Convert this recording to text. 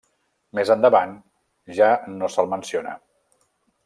Més endavant ja no se'l menciona.